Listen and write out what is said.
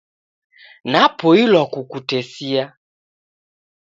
Napoilwa kukutesia.